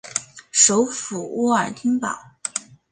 首府沃尔丁堡。